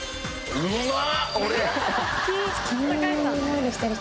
うまっ！